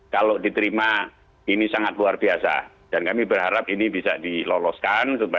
kalau diterima ini sangat luar biasa